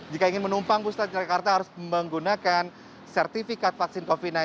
jika ingin menumpang pusat jakarta harus menggunakan sertifikat vaksin covid sembilan belas